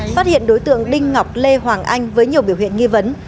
phát hiện đối tượng đinh ngọc lê hoàng anh với nhiều biểu hiện nghi vấn